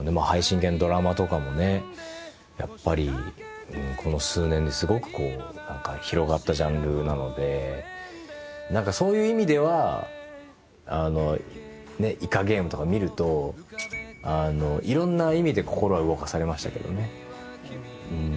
配信系のドラマとかもねやっぱりこの数年で広がったジャンルなので何かそういう意味では「イカゲーム」とか見るといろんな意味で心は動かされましたけどね。